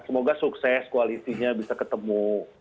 semoga sukses koalisinya bisa ketemu